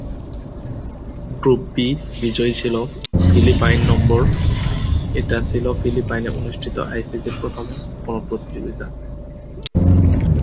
Group B বিজয়ী ছিল ফিলিপাইনম্বর এটা ছিল ফিলিপাইনে অনুষ্ঠিত আইসিসির প্রথম কোন প্রতিযোগিতা।